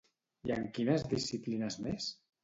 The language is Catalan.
I en quines disciplines més?